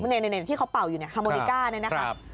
ในที่เขาเป่าอยู่ฮาโมนิก้านี่นะครับ